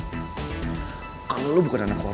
abisin aja kalau lo bukan anak koreor